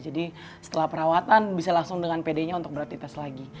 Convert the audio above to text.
jadi setelah perawatan bisa langsung dengan pd nya untuk beratitas lagi